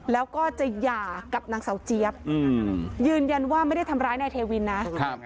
แล้วก็จะหย่ากับนางเสาเจี๊ยบยืนยันว่าไม่ได้ทำร้ายนายเทวินนะครับ